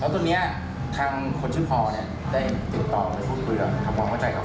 ก็มีบ้างที่จะคิด